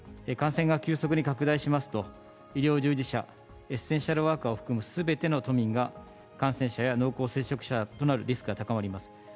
感染が急速に拡大しますと、医療従事者、エッセンシャルワーカーを含むすべての都民が感染者や濃厚接触者となるリスクが高まります。